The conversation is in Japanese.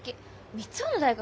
三生の大学